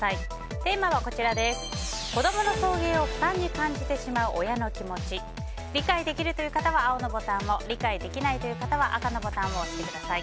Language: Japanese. テーマは子供の送迎を負担に感じてしまう親の気持ち理解できるという方は青のボタンを理解できないという方は赤のボタンを押してください。